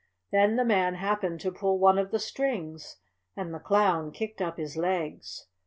Then the man happened to pull one of the strings, and the Clown kicked up his legs.